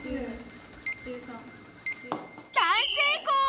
大成功！